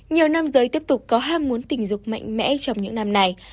nhiều nam giới tiếp tục có ham muốn tình dục mạnh mẽ trong những năm này